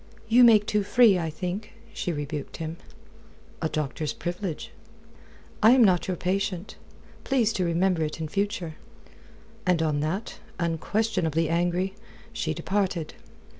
"You make too free, I think," she rebuked him. "A doctor's privilege." "I am not your patient. Please to remember it in future." And on that, unquestionably angry, she departed.